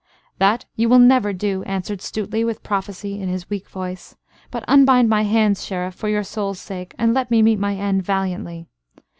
"That you will never do," answered Stuteley, with prophecy, in his weak voice. "But unbind my hands, Sheriff, for your soul's sake, and let me meet my end valiantly."